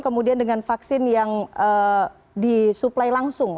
kemudian dengan vaksin yang disuplai langsung